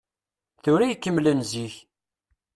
Tura i yekkemmel n zik.